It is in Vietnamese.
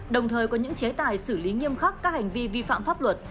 đồng thời có những chế tài xử lý nghiêm khắc các hành vi vi phạm pháp luật